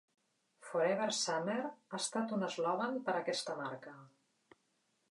"Forever Summer" ha estat un eslògan per a aquesta marca.